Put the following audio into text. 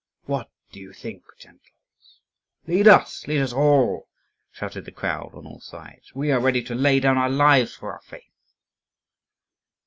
What do you think, gentles?" "Lead us, lead us all!" shouted the crowd on all sides. "We are ready to lay down our lives for our faith."